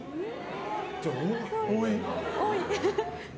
多い？